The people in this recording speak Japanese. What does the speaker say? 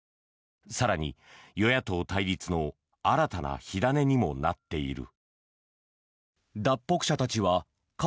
更に、与野党対立の新たな火種にもなっている。